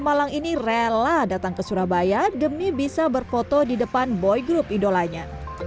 malang ini rela datang ke surabaya demi bisa berfoto di depan boy group idolanya